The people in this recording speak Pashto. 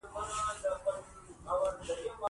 زه د افغانستان حکومت ته هر ډول خدمت ته حاضر یم.